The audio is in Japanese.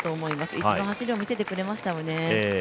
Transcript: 粋な走りを見せてくれましたね。